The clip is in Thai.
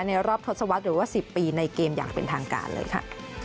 รอบทศวรรษหรือว่า๑๐ปีในเกมอย่างเป็นทางการเลยค่ะ